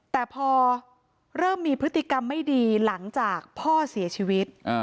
แต่พอเริ่มมีพฤติกรรมไม่ดีหลังจากพ่อเสียชีวิต